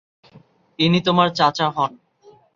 ইনি তোমার চাচা হন।